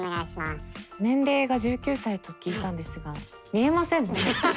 年齢が１９歳と聞いたんですが見えませんね。